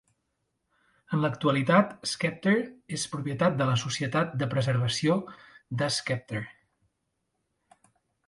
En l'actualitat, "Scepter" és propietat de la Societat de Preservació de Sceptre.